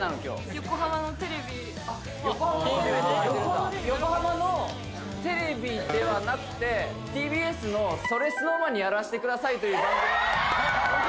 横浜のテレビっていわれてるんだ横浜のテレビではなくてＴＢＳの「それＳｎｏｗＭａｎにやらせて下さい」という番組が・